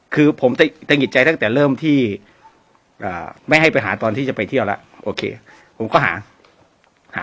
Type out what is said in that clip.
คือผมตะหิดใจตั้งแต่เริ่มที่ไม่ให้ไปหาตอนที่จะไปเที่ยวแล้วโอเคผมก็หาหา